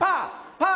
パー！